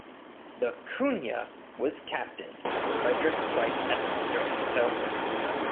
The "Koonya" was captained by Fredrick Pryce Evans during the tow.